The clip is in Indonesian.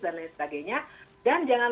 dan lain sebagainya dan jangan